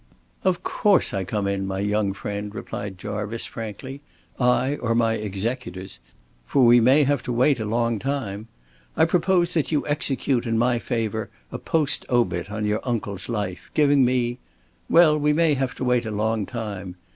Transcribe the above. "Of course I come in, my young friend," replied Jarvice, frankly. "I or my executors. For we may have to wait a long time. I propose that you execute in my favor a post obit on your uncle's life, giving me well, we may have to wait a long time.